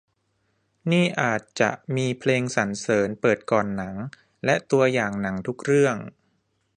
นี่อาจจะมีเพลงสรรเสริญเปิดก่อนหนังและตัวอย่างหนังทุกเรื่อง